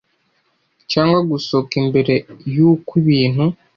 cyangwa gusohoka mbere y uko ibintu